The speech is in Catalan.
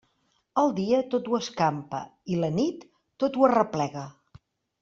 El dia, tot ho escampa, i la nit, tot ho arreplega.